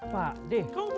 pak d kau mulai